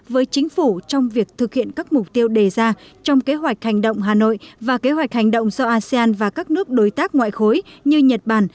với chính phủ trong việc thực hiện các mục tiêu đề ra trong kế hoạch hành động hà nội và kế hoạch hành động do asean và các nước đối tác ngoại khối như nhật bản